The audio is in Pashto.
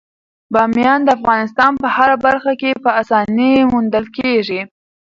بامیان د افغانستان په هره برخه کې په اسانۍ موندل کېږي.